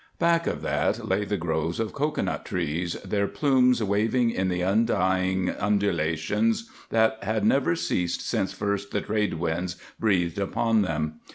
Back of that lay the groves of cocoanut trees, their plumes waving in the undying undulations that had never ceased since first the trade winds breathed upon them.